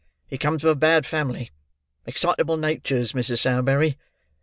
He comes of a bad family. Excitable natures, Mrs. Sowerberry!